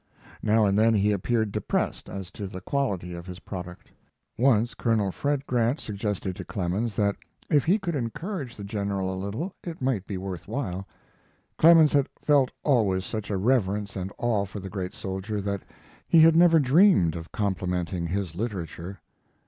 Now and then he appeared depressed as to the quality of his product. Once Colonel Fred Grant suggested to Clemens that if he could encourage the General a little it might be worth while. Clemens had felt always such a reverence and awe for the great soldier that he had never dreamed of complimenting his literature.